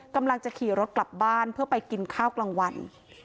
กำลังจะขี่รถกลับบ้านเพื่อไปกินข้าวกลางวัน